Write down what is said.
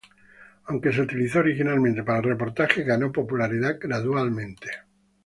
Aunque se utilizó originalmente para reportajes, ganó popularidad gradualmente.